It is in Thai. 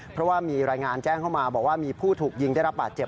เพราะว่ามีรายงานแจ้งเข้ามาบอกว่ามีผู้ถูกยิงได้รับบาดเจ็บ